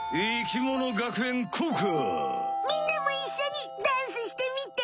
みんなもいっしょにダンスしてみて！